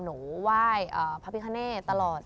หนูไหว้พระพิคเนตตลอด